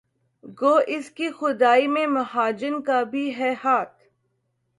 گو اس کی خدائی میں مہاجن کا بھی ہے ہاتھ